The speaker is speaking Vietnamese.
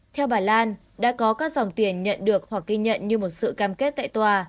theo bà lan đã có các dòng tiền nhận được hoặc ghi nhận như một sự cam kết tại tòa